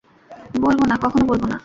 বলবো না, কখনও বলবো না।